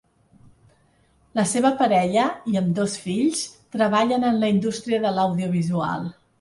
La seva parella i ambdós fills treballen en la indústria de l'audiovisual.